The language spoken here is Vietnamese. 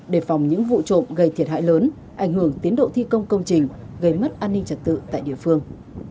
đề phòng những vụ trộm gây thiệt hại lớn ảnh hưởng tiến độ thi công công trình gây mất an ninh trật tự tại địa phương